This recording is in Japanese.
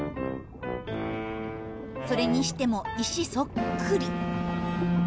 それにしても石そっくり。